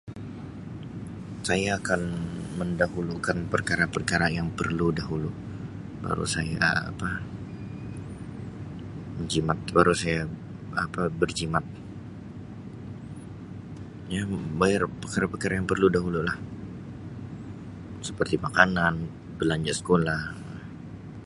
Saya akan mendahulukan perkara perkara yang perlu dahulu baru saya apa menjimat baru saya apa berjimat ya membayar perkara perkara yang perlu dahulu lah seperti makanan belanja skolah.